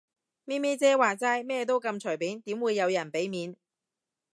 咪咪姐話齋，咩都咁隨便，點會有人俾面